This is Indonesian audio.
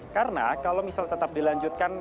karena kalau misalnya tetap dilanjutkan